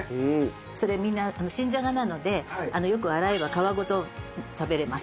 それみんな新じゃがなのでよく洗えば皮ごと食べれます。